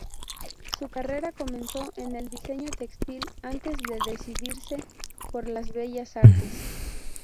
Su carrera comenzó en el diseño textil antes de decidirse por las bellas artes.